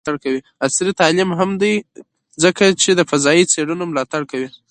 عصري تعلیم مهم دی ځکه چې د فضايي څیړنو ملاتړ کوي.